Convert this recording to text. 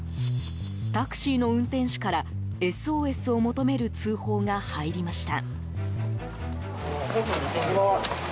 タクシーの運転手からＳＯＳを求める通報が入りました。